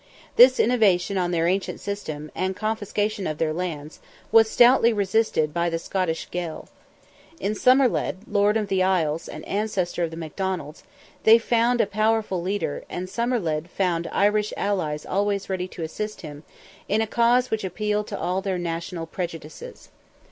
This innovation on their ancient system, and confiscation of their lands, was stoutly resisted by the Scottish Gael. In Somerled, lord of the Isles, and ancestor of the Macdonalds, they found a powerful leader, and Somerled found Irish allies always ready to assist him, in a cause which appealed to all their national prejudices.